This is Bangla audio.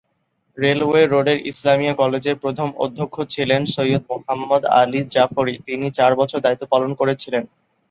রেলওয়ে রোডের ইসলামিয়া কলেজের প্রথম অধ্যক্ষ ছিলেন সৈয়দ মোহাম্মদ আলী জাফরি, তিনি চার বছর দায়িত্ব পালন করেছিলেন।